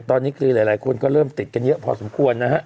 ตอนนี้คือหลายคนก็เริ่มติดกันเยอะพอสมควรนะฮะ